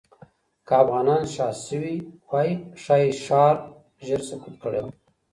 که افغانان شا شوې وای، ښایي ښار ژر سقوط کړی وای.